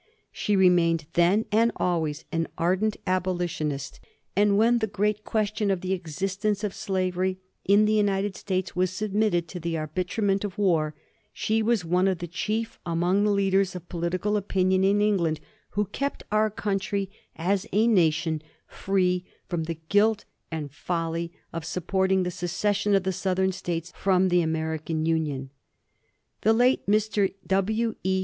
She remained then and always an ardent abolitionist, and when the great question of the existence of slavery in the United States was submitted to the arbitrament of war, she was one of the chief among the leaders of political opinion in England who kept our country as a nation free from the guilt and folly of supporting the secession of the Southern States from the American Union. The late Mr. W. E.